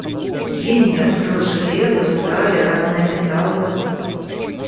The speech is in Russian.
Гений открыл железо, сталь и разные металлы.